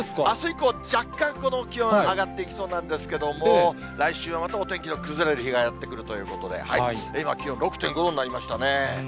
あす以降、若干この気温、上がっていきそうなんですけれども、来週はまたお天気の崩れる日がやって来るということで、今、気温６．５度になりましたね。